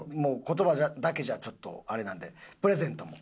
言葉だけじゃちょっとあれなんでプレゼントも。